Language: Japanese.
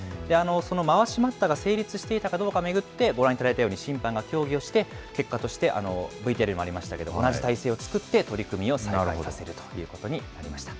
そのまわし待ったが成立していたかどうかを巡ってご覧いただいたように、審判が協議をして、結果としてＶＴＲにもありましたけれども、同じ体勢を作って取組を再開させるということになりました。